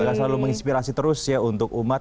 saya juga selalu menginspirasi terus ya untuk umat